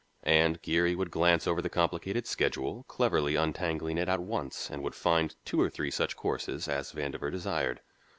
And Geary would glance over the complicated schedule, cleverly untangling it at once and would find two or three such courses as Vandover desired.